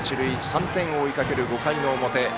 ３点を追いかける５回の表。